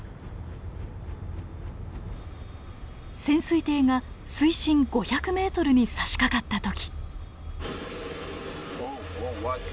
潜水艇が水深５００ｍにさしかかった時。